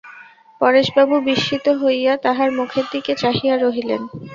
পরেশবাবু বিস্মিত হইয়া তাহার মুখের দিকে চাহিয়া রহিলেন।